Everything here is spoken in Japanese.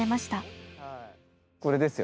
これですよ。